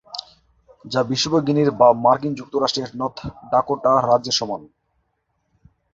যা বিষুবীয় গিনির বা মার্কিন যুক্তরাষ্ট্রের নর্থ ডাকোটা রাজ্যের সমান।